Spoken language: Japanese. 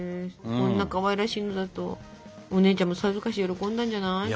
こんなかわいらしいのだとお姉ちゃんもさぞかし喜んだんじゃない？